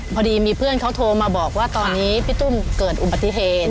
พอดีมีเพื่อนเขาโทรมาบอกว่าตอนนี้พี่ตุ้มเกิดอุบัติเหตุ